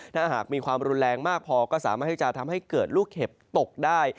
ถ้าหากมีความรุนแรงมากพอก็สามารถที่จะทำให้เกิดลูกเห็บตกได้